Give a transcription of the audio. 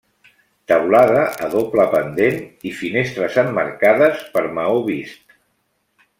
Teulada a doble pendent i finestres emmarcades per maó vist.